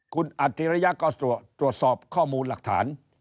คุณอัจฉริยะก็ตรวจสอบข้อมูลหลักฐาน